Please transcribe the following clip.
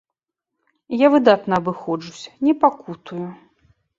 Я выдатна абыходжуся, не пакутую.